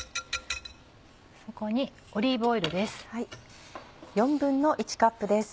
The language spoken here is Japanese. そこにオリーブオイルです。